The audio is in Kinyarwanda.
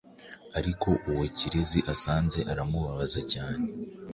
ariko uwo Kirezi asanze aramubabaza cyane